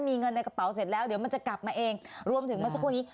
มีเงินในกระเป๋าเสร็จแล้วเดี๋ยวมันจะกลับมาเองรวมถึงเมื่อสักครู่นี้